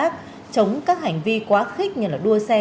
chúc cha vui vẻ